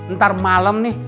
ntar malam nih